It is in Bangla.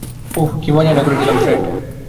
ওহ, কি মজাই না করছিলাম ফ্রেড!